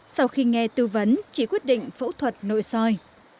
sau khi nghe tư vấn chị quyết định phẫu thuật nội soi